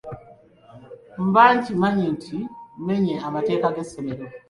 Mba nkimanyi nti mmenye amateeka g’essomero.